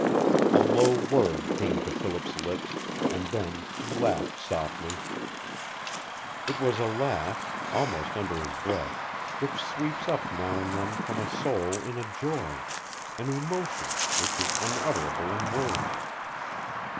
A low word came to Philip's lips, and then he laughed softly. It was a laugh, almost under his breath, which sweeps up now and then from a soul in a joy an emotion which is unutterable in words.